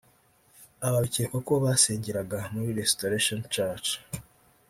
Aba bikekwa ko basengeraga muri Restoration Church